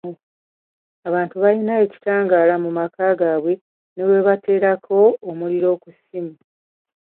Abantu baalina ekitangaala mu maka gaabwe ne we bateerako omuliro ku ssimu.